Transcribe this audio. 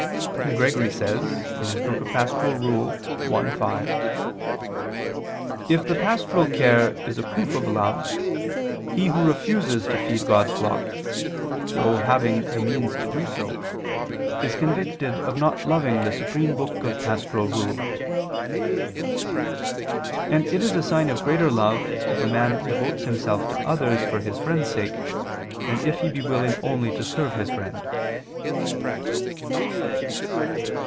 And Gregory says (Pastor. i, 5): "If the pastoral care is a proof of love, he who refuses to feed God's flock, though having the means to do so, is convicted of not loving the supreme Pastor." And it is a sign of greater love if a man devotes himself to others for his friend's sake, than if he be willing only to serve his friend.